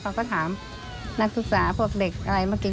เขาก็ถามนักศึกษาพวกเด็กหามากิน